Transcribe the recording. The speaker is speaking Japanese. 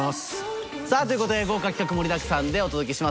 ということで豪華企画盛りだくさんでお届けします